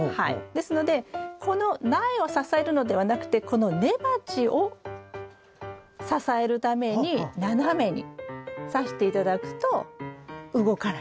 ですのでこの苗を支えるのではなくてこの根鉢を支えるために斜めにさして頂くと動かない。